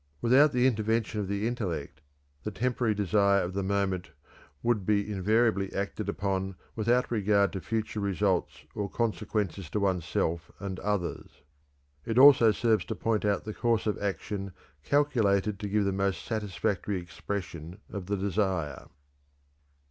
Without the intervention of the intellect, the temporary desire of the moment would invariably be acted upon without regard to future results or consequences to one's self and others. It also serves to point out the course of action calculated to give the most satisfactory expression of the desire.